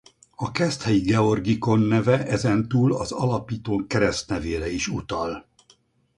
A keszthelyi Georgikon neve ezen túl az alapító keresztnevére is utal.